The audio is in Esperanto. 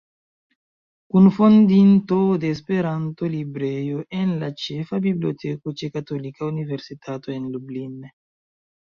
Kunfondinto de Esperanto Librejo en la Ĉefa Biblioteko ĉe Katolika Universitato en Lublin.